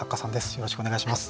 よろしくお願いします。